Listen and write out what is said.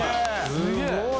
すごい！